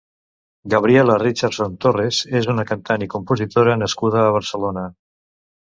Gabriela Richardson Torres és una cantant i compositora nascuda a Barcelona.